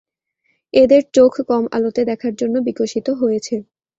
এদের চোখ কম আলোতে দেখার জন্য বিকশিত হয়েছে।